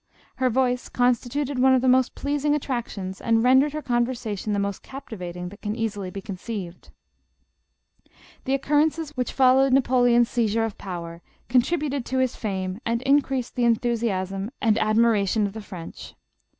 Her voice constituted one of the most pleasing attractions and rendered her conversation the* most captivating that can easily be conceived." The occurrences which followed Napoleon's seizure JOSEPHINE. of power, contributed to his fame and increased the en thusiasm and admiration of the French.